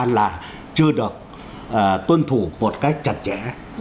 là chưa được tuân thủ một cách chặt chẽ